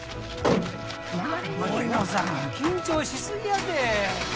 森野さん緊張しすぎやて。